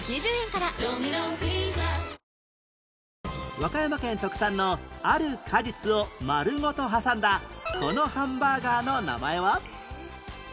和歌山県特産のある果実を丸ごと挟んだこのハンバーガーの名前は？